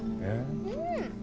うん。